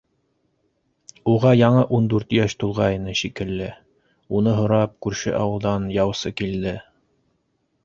Уға яңы ун дүрт йәш тулғайны шикелле, уны һорап, күрше ауылдан яусы килде.